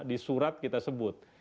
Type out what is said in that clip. di surat kita sebut